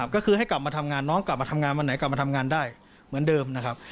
ก็คือให้กลับมาทำงานน้องกลับมาทำงานวันไหนกลับมาทำงานได้เหมือนเดิมนะครับ